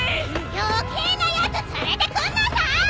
余計なやつ連れてくんなさ！